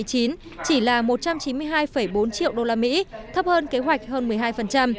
chỉ là một trăm chín mươi hai bốn triệu usd thấp hơn kế hoạch hơn một mươi hai